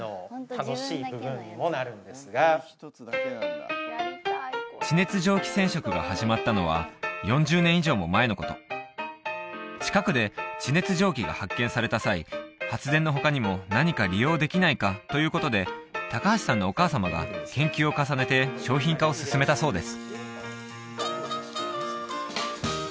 楽しいこれ地熱蒸気染色が始まったのは４０年以上も前のこと近くで地熱蒸気が発見された際発電の他にも何か利用できないか？ということで橋さんのお母様が研究を重ねて商品化を進めたそうです